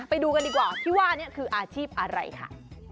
ไปดูกันดีกว่าที่ว่านี้คืออาชีพอะไรค่ะ